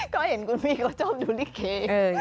ก็เห็นคุณพี่ก็ชอบดูลิเกย์